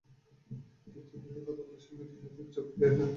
দীপ্তি দেখে কথা বলার সময় মেয়েটি চারদিকে চোখ ঘুরিয়ে ফিরিয়ে কথা বলছে।